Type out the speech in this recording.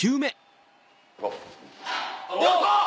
やった！